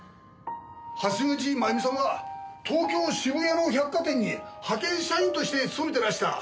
橋口まゆみさんは東京渋谷の百貨店に派遣社員として勤めてらした。